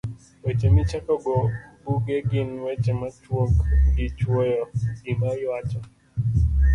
Weche Michakogo Buge gin weche machuok to gichuoyo gima iwacho.